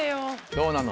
どうなの？